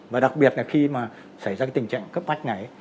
và đặc biệt là khi mà xảy ra cái tình trạng cấp bách này